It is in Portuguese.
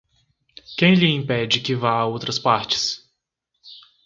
Quem lhe impede que vá a outras partes?